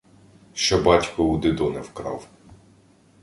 Що батько у Дидони вкрав.